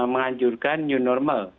mengajurkan new normal